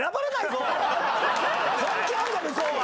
本気なんだ向こうは。